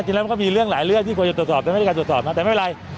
จริงแล้วมันก็มีเรื่องหลายเรื่องที่ควรจะตรวจสอบแต่ไม่ได้การตรวจสอบนะแต่ไม่เป็นไร